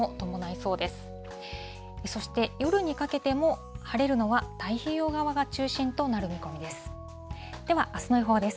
そして、夜にかけても晴れるのは太平洋側が中心となる見込みです。